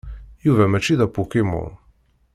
Yuba mačči d apokimon.